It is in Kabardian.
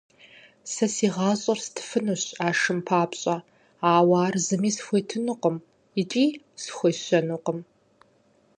Сэ си гъащӀэр стыфынущ а шым папщӀэ, ауэ ар зыми схуетынукъым икӀи схуещэнукъым.